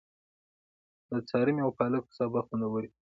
د څارمي او پالکو سابه خوندور وي.